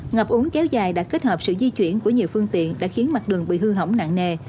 ngập úng kéo dài đã kết hợp sự di chuyển của nhiều phương tiện đã khiến mặt đường bị hư hỏng nặng nề